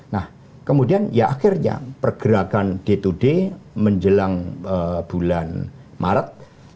nah kemudian ya akhirnya pergerakan d dua d menjelang bulan maret